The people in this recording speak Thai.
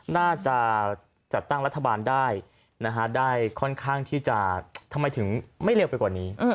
น่าจะจัดตั้งรัฐบาลได้ได้ค่อนข้างที่จะทำไมถึงไม่เร็วไปกว่านี้